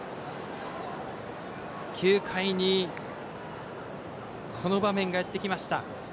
９回にこの場面がやってきました。